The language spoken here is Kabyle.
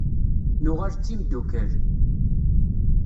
Nuɣal d timeddukal.